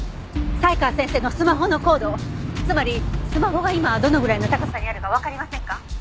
才川先生のスマホの高度つまりスマホが今どのぐらいの高さにあるかわかりませんか？